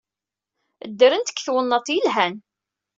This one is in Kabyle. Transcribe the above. Ddrent deg twennaḍt yelhan.